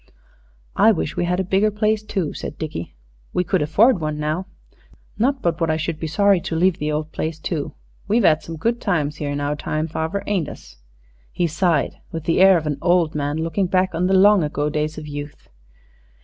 "I wish we had a bigger place, too," said Dickie; "we could afford one now. Not but what I should be sorry to leave the old place, too. We've 'ad some good times here in our time, farver, ain't us?" He sighed with the air of an old man looking back on the long ago days of youth.